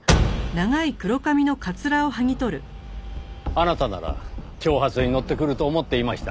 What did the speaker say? あなたなら挑発にのってくると思っていました。